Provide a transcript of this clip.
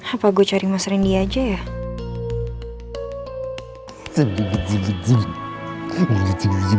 apa gue cari mas rendy aja ya